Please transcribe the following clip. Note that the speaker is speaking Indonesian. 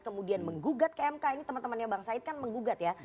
kemudian menggugat ke mk ini teman temannya bang said kan menggugat ya